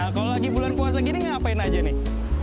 kalau lagi bulan puasa gini ngapain aja nih